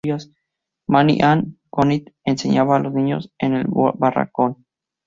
Mary Ann Goodnight enseñaba a los niños en el barracón.